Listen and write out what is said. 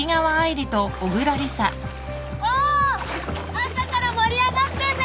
朝から盛り上がってんね！